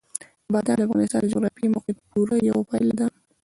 بادام د افغانستان د جغرافیایي موقیعت پوره یوه پایله ده.